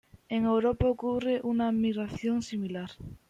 En Europa ocurre una migración similar.